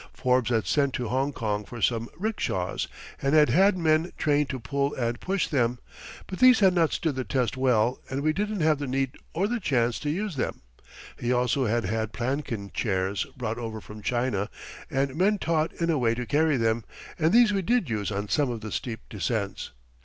Forbes had sent to Hongkong for some rick'shaws and had had men trained to pull and push them, but these had not stood the test well and we didn't have the need or the chance to use them; he also had had palanquin chairs brought over from China and men taught in a way to carry them, and these we did use on some of the steep descents.